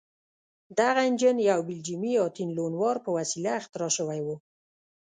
دغه انجن یو بلجیمي اتین لونوار په وسیله اختراع شوی و.